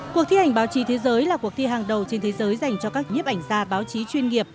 cuộc thi ảnh báo chí thế giới là cuộc thi hàng đầu trên thế giới dành cho các nhiếp ảnh gia báo chí chuyên nghiệp